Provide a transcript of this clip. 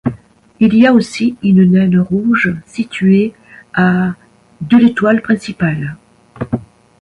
Il y a aussi une naine rouge située à de l'étoile principale.